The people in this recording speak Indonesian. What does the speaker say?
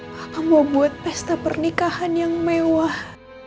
maka mau buat pesta pernikahan yang mewah